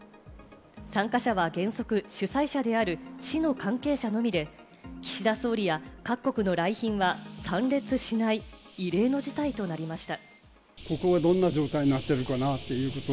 参加者は原則、主催者である市の関係者のみで、岸田総理や各国の来賓は参列しない異例の事態となりました。